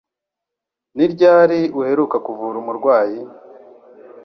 Ni ryari uheruka kuvura umurwayi?